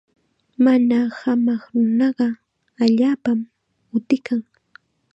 Mana hamaq nunaqa allaapam utikan.